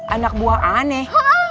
anak buah aneh